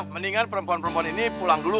mendingan perempuan perempuan ini pulang dulu